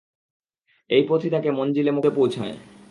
এ পথই তাকে মনযিলে মকসুদে পৌঁছায়।